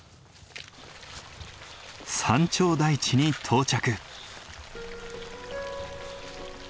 山頂台地に到着。